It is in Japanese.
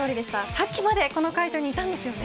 さっきまでこの会場にいたんですよね。